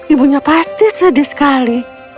ibunya pasti sedih sekali